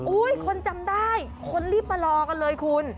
คนจำได้คนรีบมารอกันเลยคุณ